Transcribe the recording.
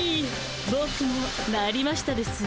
ボクもなりましたですぅ。